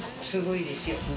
すごいですよ。